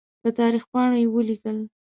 په تاریخ پاڼو یې ولیکل.